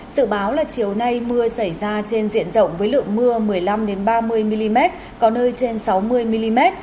sự báo là chiều nay mưa xảy ra trên diện rộng với lượng mưa một mươi năm ba mươi mm có nơi trên sáu mươi mm